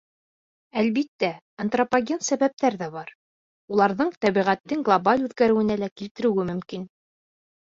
Әлбиттә, антропоген сәбәптәр ҙә бар, уларҙың тәбиғәттең глобаль үҙгәреүенә лә килтереүе мөмкин.